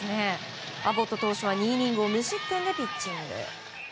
アボット投手は２イニングを無失点でピッチング。